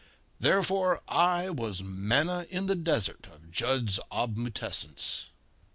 Therefore, I was manna in the desert of Jud's obmutescence.